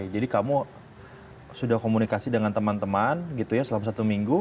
jadi kamu sudah komunikasi dengan teman teman gitu ya selama satu minggu